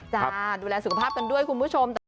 ดูแลสุขภาพกันด้วยคุณผู้ชม